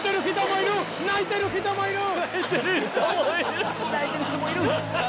泣いてる人もいる！